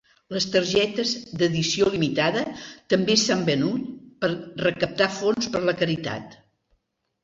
Les targetes dedició limitada també s'han venut per recaptar fons per a la caritat.